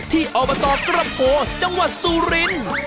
ที่ออบาทกระโปะจังหวัดซูลิน